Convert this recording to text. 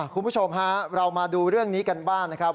คุณผู้ชมฮะเรามาดูเรื่องนี้กันบ้างนะครับ